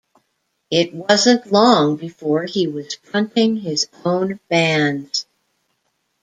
It wasn't long before he was fronting his own bands.